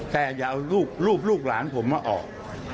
แต่อย่าเอารูปลูกหลานผมมาออก